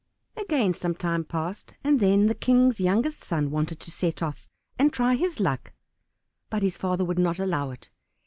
Again some time passed, and then the King's youngest son wanted to set off and try his luck, but his father would not allow it.